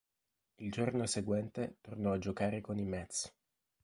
Il giorno seguente tornò a giocare con i Mets.